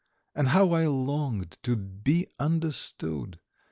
And how I longed to be understood!